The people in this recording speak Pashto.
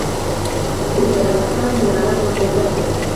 د جلات خان ناره ماته ياده ده.